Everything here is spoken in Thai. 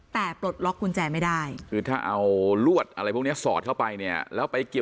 แต่ปลดล็อกกุญแจไม่ได้คือถ้าเอาลวดอะไรพวกนี้สอดเข้าไปเนี่ยแล้วไปเกี่ยว